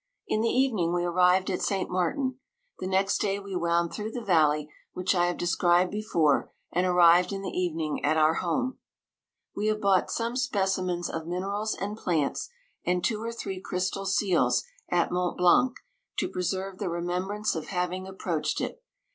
In the evening we arrived at St. Martin. The next day we wound through the valley, which I have de scribed before, and arrived in the even ing at our home. We have bought some specimens of minerals and plants, and two or three crystal seals, at Mont Blanc, to pre serve the remembrance of having ap proached it.